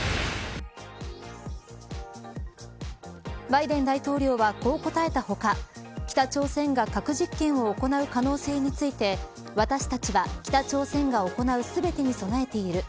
バイデン大統領はこう答えた他北朝鮮が核実験を行う可能性について私たちは北朝鮮が行う全てに備えている。